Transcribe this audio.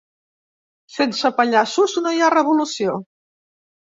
Sense pallassos no hi ha revolució!